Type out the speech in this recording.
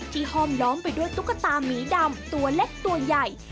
ห้อมน้อมไปด้วยตุ๊กตามีดำตัวเล็กตัวใหญ่